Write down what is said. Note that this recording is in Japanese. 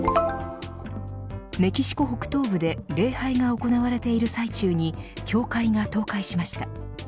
メキシコ北東部で礼拝が行われている最中に教会が倒壊しました。